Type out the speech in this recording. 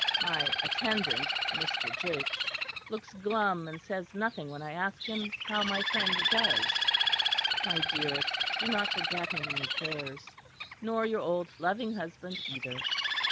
My attendant Mr. Jakes looks glum and says nothing when I ask him how my friend does. My dearest, do not forget him in your prayers nor your old loving husband either."